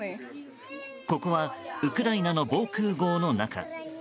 ここはウクライナの防空壕の中。